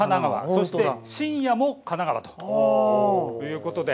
そして深夜も神奈川ということで。